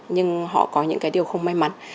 nhưng họ có những điều không may mắn